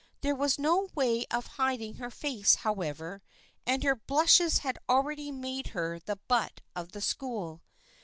There was no way of hiding her face, however, and her blushes had already made her the butt of the school.